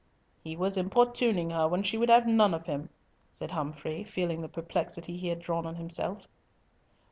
"He was importuning her when she would have none of him," said Humfrey, feeling the perplexity he had drawn on himself.